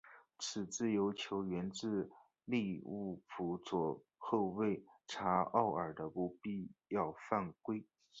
此自由球源自利物浦左后卫查奥尔的不必要犯规。